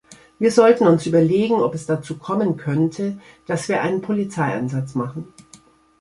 Wir sollten uns überlegen, ob es dazu kommen könnte, dass wir einen Polizeieinsatz machen.